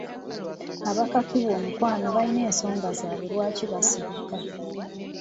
Abakakibwa omukwano balina ensonga zaabwe lwaki basirika.